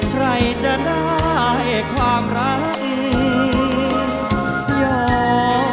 ใครจะได้ความรักอย่า